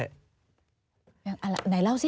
ไหนเล่าสิ